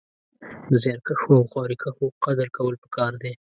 د زيارکښو او خواريکښو قدر کول پکار دی